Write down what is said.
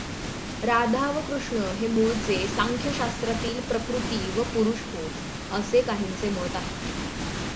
राधा व कृष्ण हे मूळचे सांख्यशास्त्रातील प्रकृती व पुरुष होत, असे काहींचे मत आहे.